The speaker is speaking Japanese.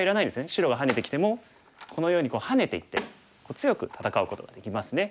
白がハネてきてもこのようにハネていって強く戦うことができますね。